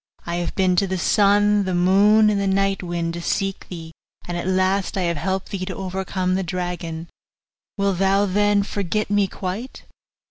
I have been to the sun, the moon, and the night wind, to seek thee, and at last I have helped thee to overcome the dragon. Wilt thou then forget me quite?